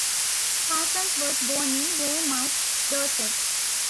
Parsons was born in Weymouth, Dorset.